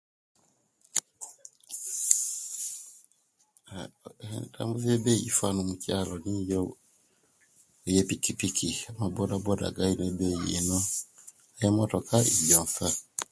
Aa Entambula ebei jifanana omucaalo eye pikipiki amaboda galina ebei inu, amamotoka ijo nsa.